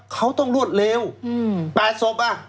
เขาต้องรวดเลวแปลทสมะ